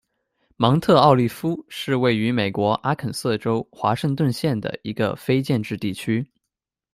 芒特奥利夫是位于美国阿肯色州华盛顿县的一个非建制地区。